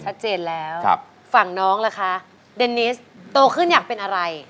ชัดเจนแล้วฝั่งน้องล่ะคะเดนนิสโตขึ้นอยากเป็นอะไร